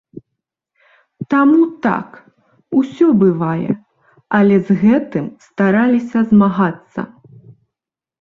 Таму, так, усё бывае, але з гэтым стараліся змагацца.